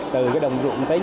từ cái đồng dụng tính